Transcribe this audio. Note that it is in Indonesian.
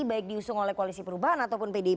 baik diusung oleh koalisi perubahan ataupun pdip